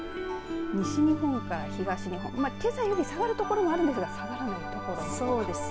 西日本から東日本けさより下がるところもあるんですが下がらないところも。